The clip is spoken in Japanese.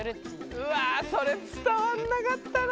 うわそれ伝わんなかったな。